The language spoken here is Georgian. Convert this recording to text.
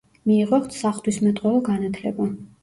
მიიღო საღვთისმეტყველო განათლება.